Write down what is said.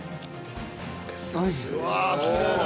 うわっきれいな。